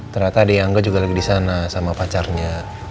ternyata di angga juga lagi di sana sama pacarnya